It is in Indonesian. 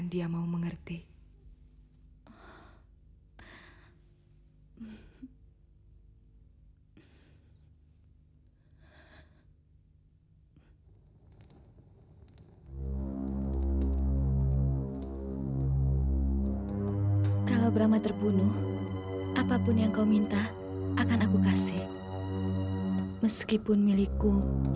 kau telah merusak hidupku